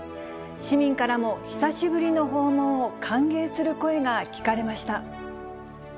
市民からも久しぶりの訪問を歓迎する声が聞かれました。